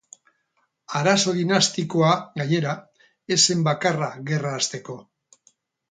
Arazo dinastikoa, gainera, ez zen bakarra gerra hasteko.